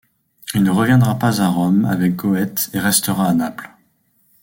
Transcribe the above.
Il ne reviendra pas à Rome avec Goethe et restera à Naples.